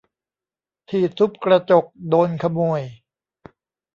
ที่ทุบกระจกโดนขโมย !